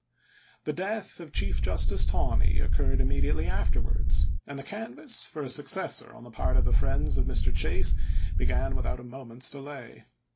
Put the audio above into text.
The death of Chief Justice Taney occurred im mediately afterwards, and the canvass for a suc cessor on the part of the friends of Mr. Chase began without a moment's delay.